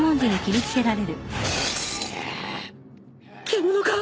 獣か！？